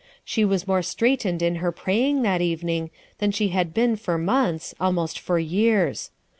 She was more straitened in her praying that evening than she had been for months, almost for years.